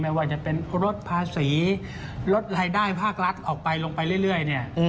ว่าจะเป็นลดภาษีลดรายได้ภาครัฐออกไปลงไปเรื่อยเนี่ย